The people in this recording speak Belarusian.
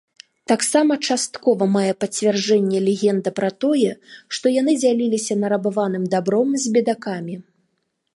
Таксама часткова мае пацверджанне легенда пра тое, што яны дзяліліся нарабаваным дабром з бедакамі.